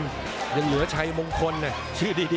รอคะแนนจากอาจารย์สมาร์ทจันทร์คล้อยสักครู่หนึ่งนะครับ